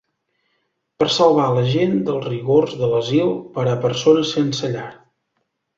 Per salvar la gent dels rigors de l'asil per a persones sense llar.